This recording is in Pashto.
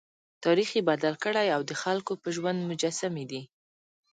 تاریخ یې بدل کړی او د خلکو په ژوند مجسمې دي.